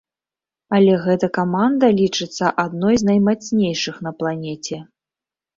Але гэта каманда лічыцца адной з наймацнейшых на планеце.